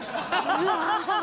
うわ。